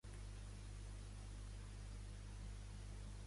Reguant acusa Marchena d'impedir que declari forçant-la a respondre a Vox.